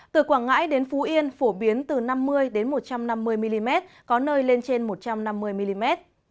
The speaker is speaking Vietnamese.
từ quảng ngãi đến phú yên phổ biến từ năm mươi một trăm năm mươi mm có nơi lên trên một trăm năm mươi mm